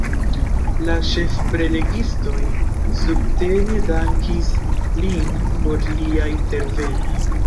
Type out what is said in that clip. La ĉefprelegistoj subtene dankis lin por lia interveno.